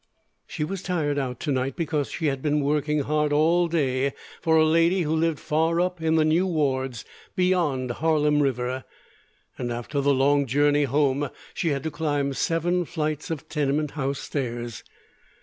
She was tired out to night, because she had been working hard all day for a lady who lived far up in the "New Wards" beyond Harlem River, and after the long journey home she had to climb seven flights of tenement house stairs.